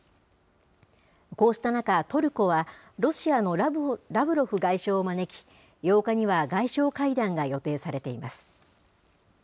こうした中、トルコはロシアのラブロフ外相を招き、８日には外相会談が予定されています。